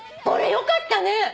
これよかったね。